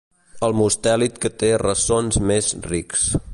El mustèlid que té ressons més rics.